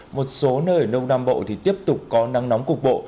một số nơi ở đông nam bộ thì tiếp tục có nắng nóng cục bộ